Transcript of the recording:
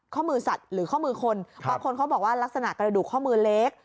ข้อมือสัตว์หรือข้อมือคนบางคนเขาบอกว่าลักษณะกระดูกข้อมือเล็ก